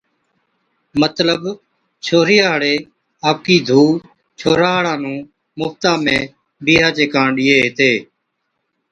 مطلب ڇوھرِي ھاڙي آپَڪِي ڌُو ڇوھَرا ھاڙان نُون مفتا ۾ بِيھا چي ڪاڻ ڏِيئي ھِتي